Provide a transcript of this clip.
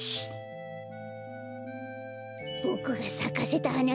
ボクがさかせたはな